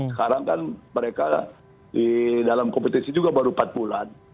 sekarang kan mereka di dalam kompetisi juga baru empat bulan